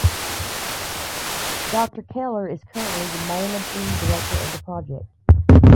Doctor Keller is currently the Managing Director of the project.